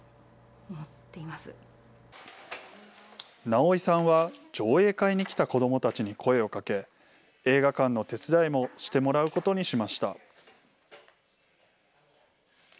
直井さんは、上映会に来た子どもたちに声をかけ、映画館の手伝いもしてもらうことにしました。